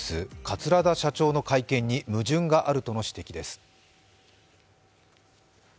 桂田社長の会見に矛盾があるとの指摘です。